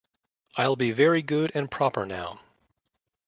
I'll be very good and proper now.